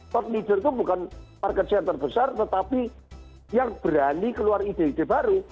tourt measure itu bukan market share terbesar tetapi yang berani keluar ide ide baru